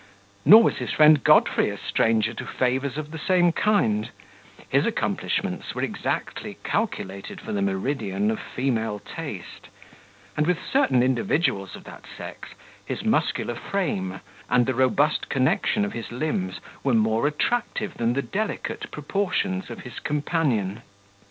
Nor was his friend Godfrey a stranger to favours of the same kind; his accomplishments were exactly calculated for the meridian of female taste; and, with certain individuals of that sex, his muscular frame, and the robust connection of his limbs, were more attractive than the delicate proportions of his companion.